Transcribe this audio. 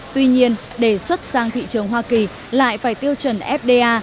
tuy nhiên để xuất sang thị trường hoa kỳ lại phải tiêu chuẩn fda